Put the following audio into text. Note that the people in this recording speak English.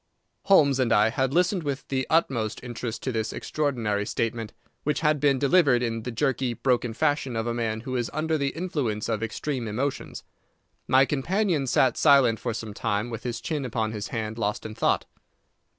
Holmes and I had listened with the utmost interest to this extraordinary statement, which had been delivered in the jerky, broken fashion of a man who is under the influence of extreme emotions. My companion sat silent for some time, with his chin upon his hand, lost in thought.